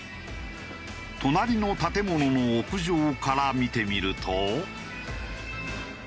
隣の建物の屋上から見てみると。